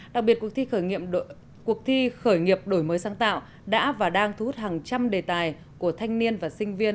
đặc biệt cuộc thi khởi nghiệp đổi mới sáng tạo đã và đang thu hút hàng trăm đề tài của thanh niên và sinh viên